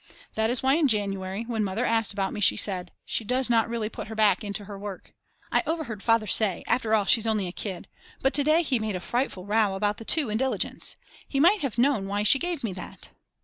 That is why in January, when Mother asked about me, she said: "She does not really put her back into her work." I overheard Father say: After all she's only a kid, but to day he made a frightful row about the 2 in Diligence. He might have known why she gave me that.